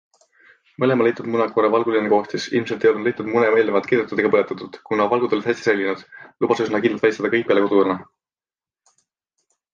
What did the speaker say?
Mõlema leitud muna koore valguline koostis - ilmset ei olnud leitud mune eelnevalt keedetud ega põletatud, kuna valgud olid hästi säilinud - lubas üsna kindlalt välistada kõik peale kodukana.